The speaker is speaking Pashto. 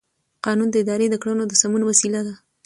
قانون د ادارې د کړنو د سمون وسیله ده.